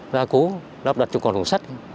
ra cố đắp đặt trong con hồ sắt